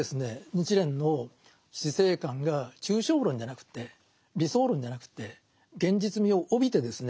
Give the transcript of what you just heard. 日蓮の死生観が抽象論じゃなくて理想論じゃなくて現実味を帯びてですね